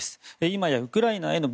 今や、ウクライナへの